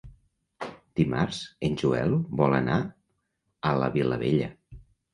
Dimarts en Joel vol anar a la Vilavella.